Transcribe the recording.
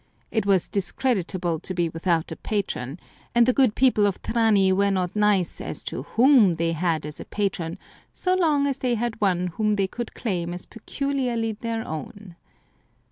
It was discreditable to be without a patron, 19s Curiosities of Olden Times and the good people of Trani were not nice as to whom they had as patron so long as they had one whom they could claim as peculiarly their own.